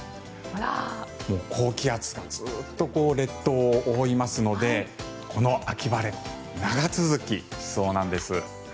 高気圧がずっと列島を覆いますのでこの秋晴れ長続きしそうなんです。